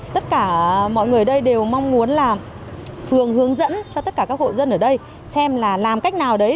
tất cả mọi người ở đây đều mong muốn là phường hướng dẫn cho tất cả các hộ dân ở đây xem là làm cách nào đấy